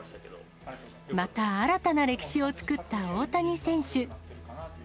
また、新たな歴史を作った大谷選手。